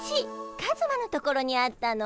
カズマのところにあったの？